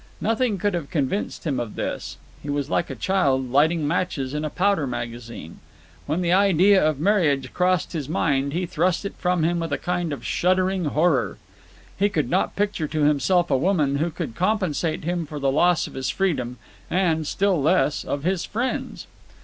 Nothing could have convinced him of this. He was like a child lighting matches in a powder magazine. When the idea of marriage crossed his mind he thrust it from him with a kind of shuddering horror. He could not picture to himself a woman who could compensate him for the loss of his freedom and, still less, of his friends.